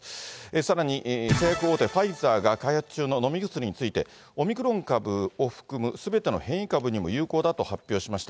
さらに製薬大手、ファイザーが開発中の飲み薬について、オミクロン株を含む、すべての変異株にも有功だと発表しました。